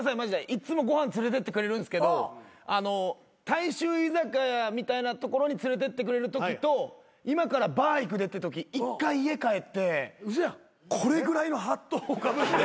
いっつもご飯連れてってくれるんですけど大衆居酒屋みたいな所に連れてってくれるときと今からバー行くでってとき一回家帰ってこれぐらいのハットをかぶって。